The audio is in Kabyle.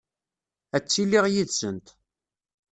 Ad ttiliɣ yid-sent.